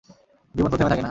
জীবন তো থেমে থাকে না।